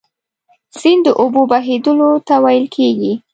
سیند د اوبو بهیدلو ته ویل کیږي.